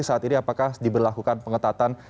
saat ini apakah diberlakukan pengetatan